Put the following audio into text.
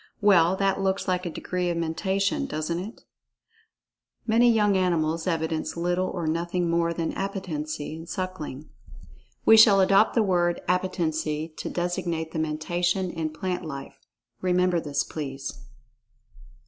Well, that looks like a degree of Mentation, doesn't[Pg 37] it? Many young animals evidence little or nothing more than "Appetency" in suckling. We shall adopt the word "Appetency" to designate the Mentation in plant life. Remember this, please.